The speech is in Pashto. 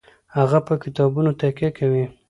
هغه په کتابونو تکیه کوي.